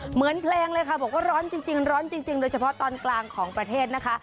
เหมือนเพลงเลยค่ะบอกว่าร้อนจริงร้อนจริงโดยเฉพาะตอนกลางของประเทศนะคะ